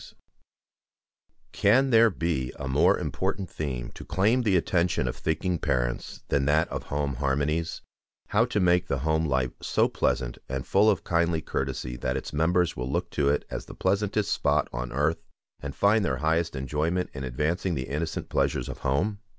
] Can there be a more important theme to claim the attention of thinking parents than that of home harmonies, how to make the home life so pleasant and full of kindly courtesy that its members will look to it as the pleasantest spot on earth, and find their highest enjoyment in advancing the innocent pleasures of home?